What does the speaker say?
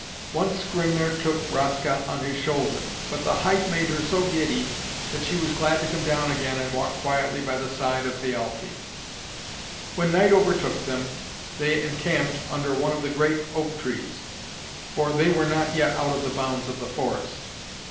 Once Skrymner took Raska on his shoulder, but the height made her so giddy that she was glad to come down again and walk quietly by the side of Thialfe. When night overtook them they encamped under one of the great oak trees, for they were not yet out of the bounds of the forest.